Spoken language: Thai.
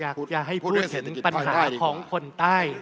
อยากจะให้พูดถึงปัญหาของคนใต้